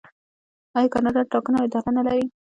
آیا کاناډا د ټاکنو اداره نلري؟